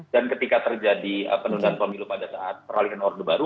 dan ketika terjadi penundaan pemilu pada saat peralihan orde baru